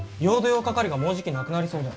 沃化カリがもうじきなくなりそうで。